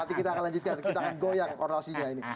nanti kita akan lanjutkan kita akan goyak orasinya ini